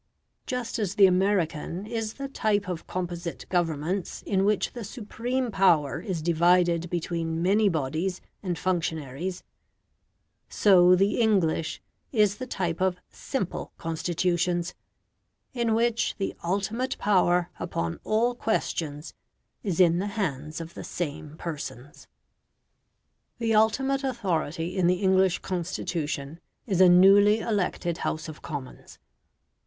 Just as the American is the type of composite Governments, in which the supreme power is divided between many bodies and functionaries, so the English is the type of SIMPLE Constitutions, in which the ultimate power upon all questions is in the hands of the same persons. The ultimate authority in the English Constitution is a newly elected House of Commons.